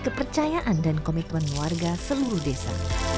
kepercayaan dan komitmen warga seluruh desa